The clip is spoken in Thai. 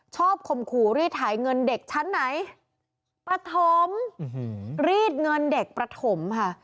ชอบข่มขู่รีดถ่ายเงินเด็กชั้นไหนปะถมหือหือรีดเงินเด็กประถมฮะ